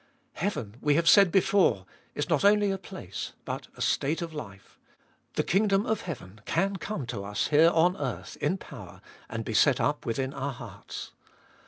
Heaven, we have said before, is not only a place, but a state of life ; the kingdom of heaven can come to us here on earth in power, and be set up within our hearts.